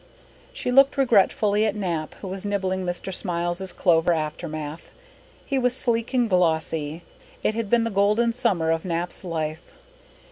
She looked regretfully at Nap, who was nibbling Mr. Smiles's clover aftermath. He was sleek and glossy. It had been the golden summer of Nap's life.